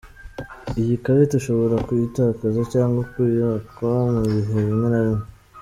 Iyi karita ushobora kuyitakaza cyangwa kkuyakwa mu bihe bimwe na bimwe.